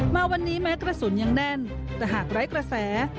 มาวันนี้แม้กระสุนยังแน่นแต่หากไร้กระแส